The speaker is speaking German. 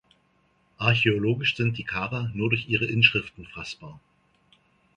Archäologisch sind die Karer nur durch ihre Inschriften fassbar.